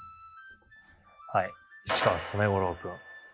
はい市川染五郎君。